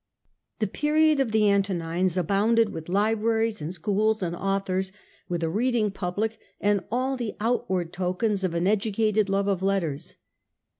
The period of the Antonines abounded with libraries and schools and authors, with a reading public, and all the outward tokens of an educated love of Thewide letters.